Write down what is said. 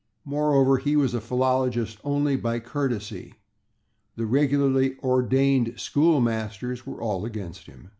Moreover, he was a philologist only by courtesy; the regularly ordained school masters were all against him.